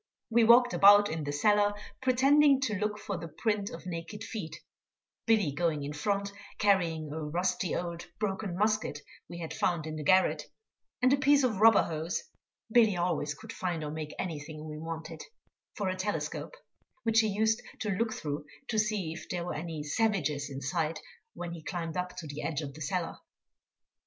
We walked about in the cellar pretending to look for the print of naked feet, Billy going in front carrying a rusty old broken musket we had found in the garret, and a piece of rubber hose (Billy always could find or make anything we wanted) for a telescope, which he used to look through to see if there were any savages in sight when he climbed up to the edge of the cellar.